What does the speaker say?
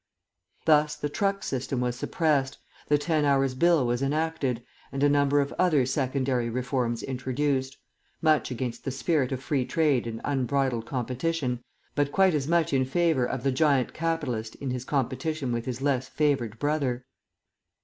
Thus the truck system was suppressed, the Ten Hours' Bill was enacted, and a number of other secondary reforms introduced much against the spirit of Free Trade and unbridled competition, but quite as much in favour of the giant capitalist in his competition with his less favoured brother.